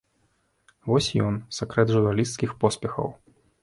Вось ён, сакрэт журналісцкіх поспехаў!